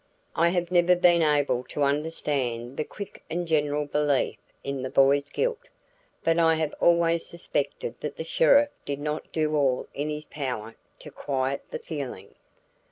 I have never been able to understand the quick and general belief in the boy's guilt, but I have always suspected that the sheriff did not do all in his power to quiet the feeling.